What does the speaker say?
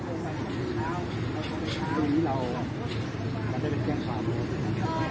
ตอนนี้กำหนังไปคุยของผู้สาวว่ามีคนละตบ